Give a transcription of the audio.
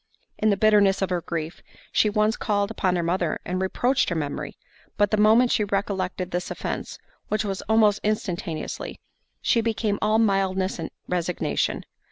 In the bitterness of her grief, she once called upon her mother, and reproached her memory—but the moment she recollected this offence, (which was almost instantaneously) she became all mildness and resignation.